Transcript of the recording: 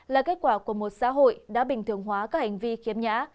là kết quả của một xã hội đã bình thường hóa các hành vi khiếm nhã